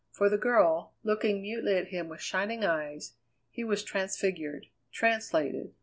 For the girl, looking mutely at him with shining eyes, he was transfigured, translated.